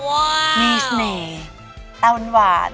ว้าวนี่สิเนี่ยตาวนวาน